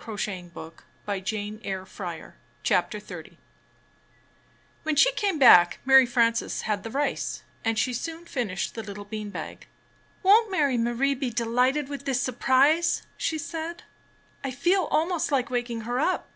Crocket ed^eS) tq^then HEN she came back, Mary Frances had the rice; and she soon finished the httle bean bag. ''Won't Mary Marie be delighted with this sur prise?" she said. ''I feel almost Hke waking her up."